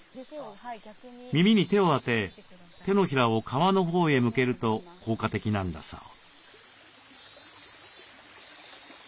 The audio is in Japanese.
耳に手を当て手のひらを川のほうへ向けると効果的なんだそう。